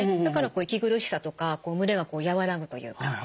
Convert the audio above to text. だから息苦しさとか蒸れが和らぐというか。